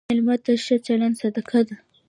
مېلمه ته ښه چلند صدقه ده.